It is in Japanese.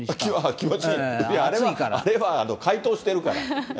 あれは、解凍してるから。